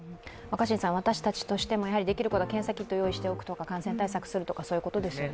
私たちとしても、できることは検査キットを用意しておくとか感染対策をするということですよね。